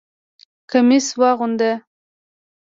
کمیس واغونده!